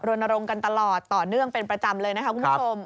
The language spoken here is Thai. รณรงค์กันตลอดต่อเนื่องเป็นประจำเลยนะคะคุณผู้ชม